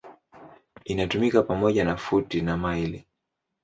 Inatumika pamoja na futi na maili.